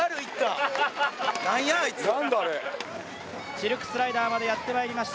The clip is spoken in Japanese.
シルクスライダーまでやってまいりました。